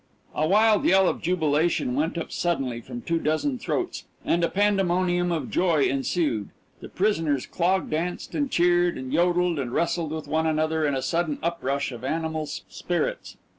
A wild yell of jubilation went up suddenly from two dozen throats and a pandemonium of joy ensued. The prisoners clog danced and cheered and yodled and wrestled with one another in a sudden uprush of animal spirits.